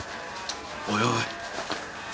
おいおい。